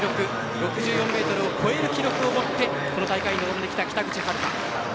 ５４ｍを超える記録を持ってこの大会に臨んできた北口榛花。